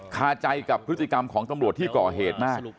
คาใจกับพฤติกรรมของตำรวจที่ก่อเหตุมาก